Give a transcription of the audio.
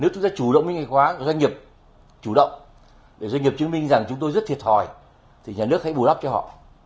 nếu chúng ta chủ động minh bạch hóa doanh nghiệp chủ động để doanh nghiệp chứng minh rằng chúng tôi rất thiệt hỏi thì nhà nước hãy bù lắp cho họ